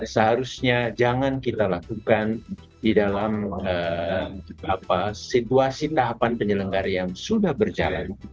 seharusnya jangan kita lakukan di dalam situasi tahapan penyelenggara yang sudah berjalan